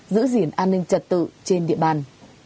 giữ diện an ninh trật tự trên địa bàn